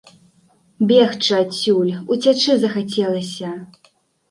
Бегчы адсюль, уцячы захацелася.